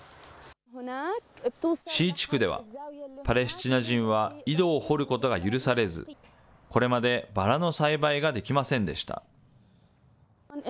Ｃ地区では、パレスチナ人は井戸を掘ることが許されず、これまでバラの栽培ができませんでした。